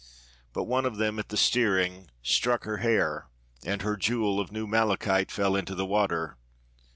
But one of them at the steering struck her hair, and her jewel of new malachite fell into the water.